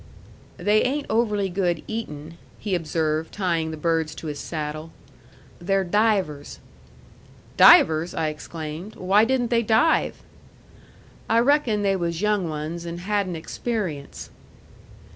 "They ain't overly good eatin'," he observed, tying the birds to his saddle. "They're divers." "Divers!" I exclaimed. "Why didn't they dive?" "I reckon they was young ones and hadn't experience."